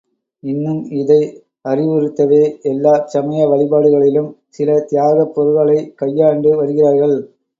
இன்னும் இதை அறிவுறுத்தவே— எல்லாச் சமய வழிபாடுகளிலும், சில தியாகப் பொருள்களைக் கையாண்டு வருகிறார்கள்.